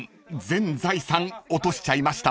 全財産落としちゃいましたもんね］